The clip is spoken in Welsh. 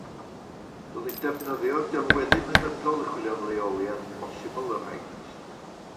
Dylid defnyddio delweddu meddygol i chwilio am leoliad posibl yr haint.